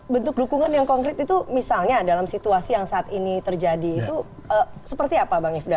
bentuk dukungan yang konkret itu misalnya dalam situasi yang saat ini terjadi itu seperti apa bang ifda